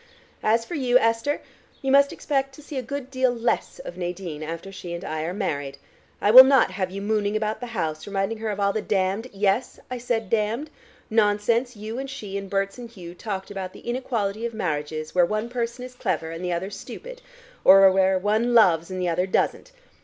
As for you, Esther, you must expect to see a good deal less of Nadine after she and I are married. I will not have you mooning about the house, reminding her of all the damned yes, I said damned nonsense you and she and Berts and Hugh talked about the inequality of marriages where one person is clever and the other stupid, or where one loves and the other doesn't.